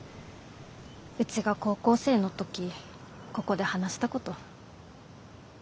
うちが高校生の時ここで話したこと。